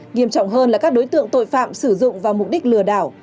nghiêm trọng hơn là các đối tượng tội phạm sử dụng vào mục đích lừa đảo